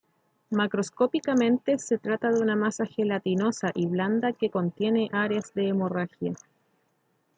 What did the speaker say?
Macroscópicamente, se trata de una masa gelatinosa y blanda que contiene áreas de hemorragia.